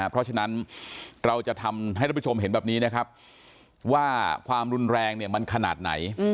เพราะฉะนั้นเราจะทำให้ท่านผู้ชมเห็นแบบนี้นะครับว่าความรุนแรงเนี่ยมันขนาดไหน